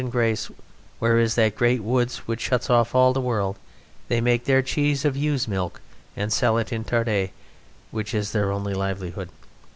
Engrace, where is that great wood which shuts off all the world, they make their cheese of ewe's milk and sell it in Tardets, which is their only livelihood.